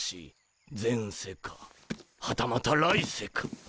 前世かはたまた来世か。